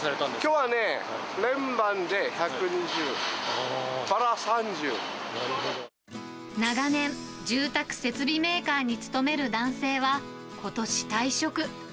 きょうはね、連番で１２０、長年、住宅設備メーカーに勤める男性は、ことし退職。